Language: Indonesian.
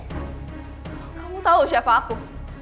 kamu tau siapa aku